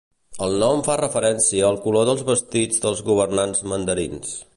El nom fa referència al color dels vestits dels governants mandarins.